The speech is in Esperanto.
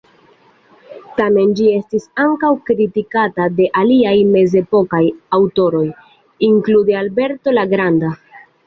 Tamen ĝi estis ankaŭ kritikata de aliaj mezepokaj aŭtoroj, inklude Alberto la Granda.